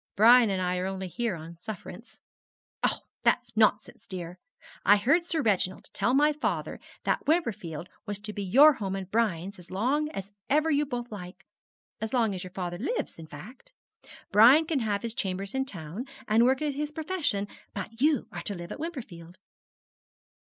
Brian and I are only here on sufferance.' 'Oh, that's nonsense, dear. I heard Sir Reginald tell my father that Wimperfield was to be your home and Brian's as long as ever you both like as long as your father lives, in fact. Brian can have his chambers in town, and work at his profession, but you are to live at Wimperfield.'